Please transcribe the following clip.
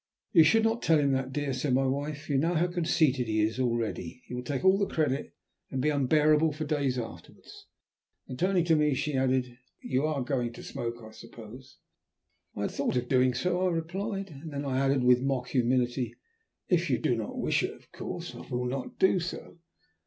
"You should not tell him that, dear," said my wife. "You know how conceited he is already. He will take all the credit, and be unbearable for days afterwards." Then turning to me, she added, "You are going to smoke, I suppose?" "I had thought of doing so," I replied; and then added with mock humility, "If you do not wish it of course I will not do so.